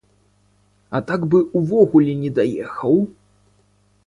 А так бы ўвогуле не даехаў!